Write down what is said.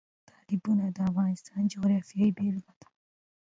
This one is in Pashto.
تالابونه د افغانستان د جغرافیې بېلګه ده.